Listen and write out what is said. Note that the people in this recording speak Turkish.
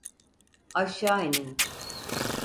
Aşağı inin!